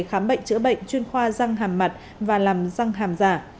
khám bệnh chữa bệnh chuyên khoa răng hàm mặt và làm răng hàm giả